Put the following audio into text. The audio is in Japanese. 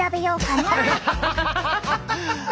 ハハハハハ！